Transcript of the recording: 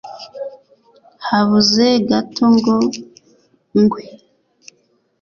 habuze gato ngo ngwe